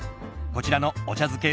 こちらのお茶漬け